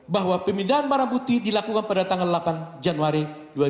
bahwa pemindahan barang bukti dilakukan pada tanggal delapan januari dua ribu dua puluh